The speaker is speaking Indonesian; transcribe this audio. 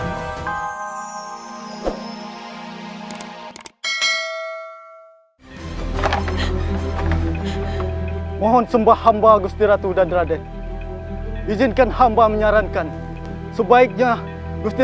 hai mohon sembah hamba gusti ratu dan raden izinkan hamba menyarankan sebaiknya gusti